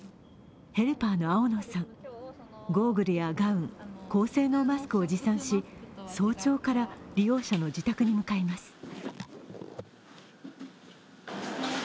ヘルパーの青野さん、ゴーグルやガウン、高性能マスクを持参し早朝から利用者の自宅に向かいます。